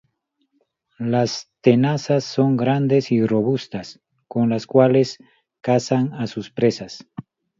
Las tenazas son grandes y robustas, con las cuales cazan a sus presas.